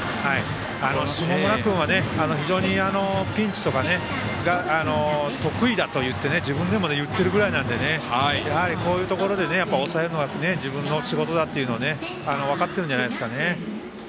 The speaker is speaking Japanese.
下村君は非常にピンチとか得意だって自分でも言っているぐらいなのでやはりこういうところで抑えるのが自分の仕事だと分かっているんじゃないですかね。